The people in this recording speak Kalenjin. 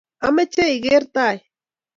ameche igeer tai